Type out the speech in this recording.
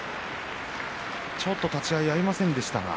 ちょっと立ち合いが合いませんでした。